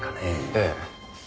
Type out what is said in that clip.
ええ。